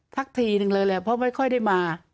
ทีนึงเลยแหละเพราะไม่ค่อยได้มา